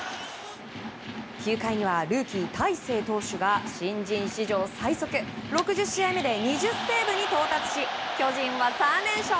９回にはルーキー、大勢投手が新人史上最速６０試合目で２０セーブに到達し巨人は３連勝。